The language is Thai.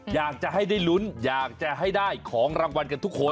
อยากจะให้ได้ลุ้นอยากจะให้ได้ของรางวัลกันทุกคน